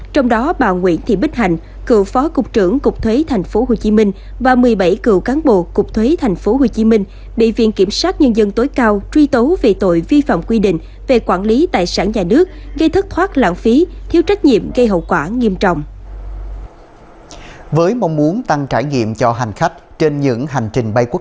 trung tá nguyễn trí thành phó đội trưởng đội cháy và cứu nạn cứu hộ sẽ vinh dự được đại diện bộ công an giao lưu trực tiếp tại hội nghị tuyên dương tôn vinh tiến toàn quốc